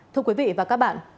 thưa quý vị và các bạn